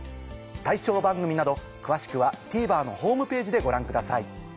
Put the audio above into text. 対象番組など詳しくはＴＶｅｒのホームページでご覧ください。